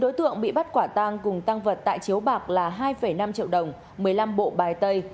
một mươi chín đối tượng bị bắt quả tàng cùng tăng vật tại chiếu bạc là hai năm triệu đồng một mươi năm bộ bài tây